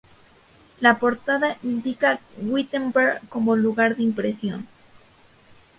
La portada indica Wittenberg como lugar de impresión.